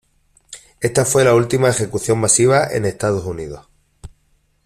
Esta fue la última ejecución masiva en Estados Unidos